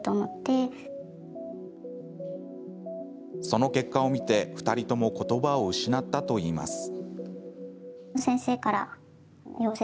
その結果を見て、２人ともことばを失ったといいます。